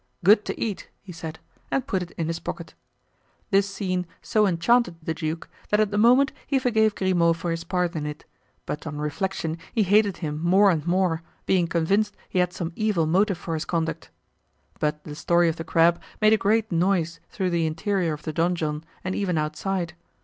"Good to eat!" he said, and put it in his pocket. This scene so enchanted the duke that at the moment he forgave Grimaud for his part in it; but on reflection he hated him more and more, being convinced he had some evil motive for his conduct. But the story of the crab made a great noise through the interior of the donjon and even outside.